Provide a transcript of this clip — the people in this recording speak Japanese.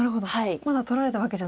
まだ取られたわけじゃないぞと。